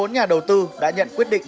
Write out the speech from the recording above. một mươi bốn nhà đầu tư đã nhận quyết định